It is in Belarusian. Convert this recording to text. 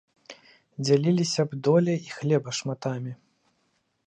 Дзяліліся б доляй і хлеба шматамі.